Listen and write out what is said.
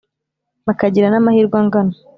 Bakagira na mahirwe angana